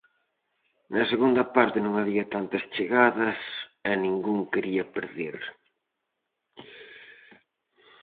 Na segunda parte non había tantas chegadas, e ningún quería perder.